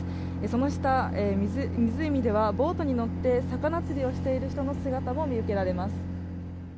その下、湖ではボートに乗って魚釣りをしている人の姿も見受けられます。